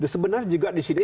sebenarnya juga disini